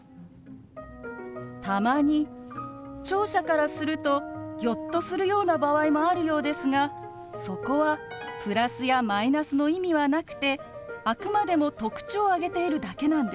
たまに聴者からするとギョッとするような場合もあるようですがそこはプラスやマイナスの意味はなくてあくまでも特徴を挙げているだけなんです。